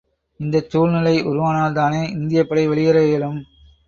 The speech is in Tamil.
இந்தச் சூழ்நிலை உருவானால்தானே இந்தியப்படை வெளியேற இயலும்!